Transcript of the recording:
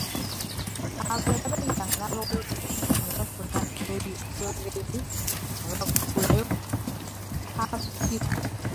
Abalala yabayitanga n’abawaayo ekifi ne bafuna ekyoyerezi ne bagulayo haafu kkiro.